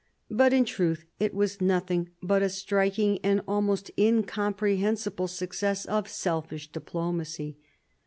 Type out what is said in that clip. But in truth it was nothing but a striking and almost incomprehensible success of selfish diplomacy.